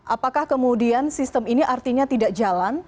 apakah kemudian sistem ini artinya tidak jalan